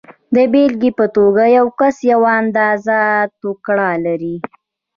د بېلګې په توګه یو کس یوه اندازه ټوکر لري